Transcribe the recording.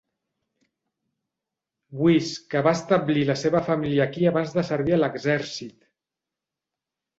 Wise, que va establir la seva família aquí abans de servir a l'exèrcit.